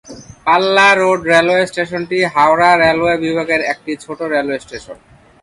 পাল্লা road railway স্টেশনটি Howrah railway বিভাগের একটি ছোট রেলওয়ে স্টেশন।